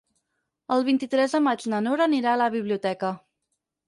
El vint-i-tres de maig na Nora anirà a la biblioteca.